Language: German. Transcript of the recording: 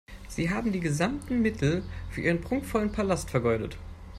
Sie haben die gesamten Mittel für Ihren prunkvollen Palast vergeudet.